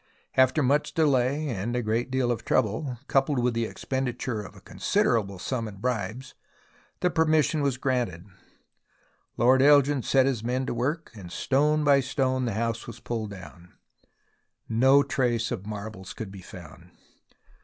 After much delay and a great deal of trouble, coupled with the ex penditure of a considerable sum in bribes, the per mission was granted. Lord Elgin set his men to work, and stone by stone the house was pulled down. No trace of marbles could be found.